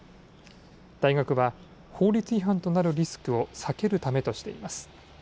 大学は法律違反となるリスクを避けるためとしています。